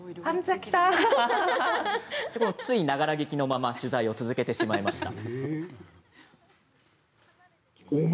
つい、ながら聴きのまま取材を続けてしまいました。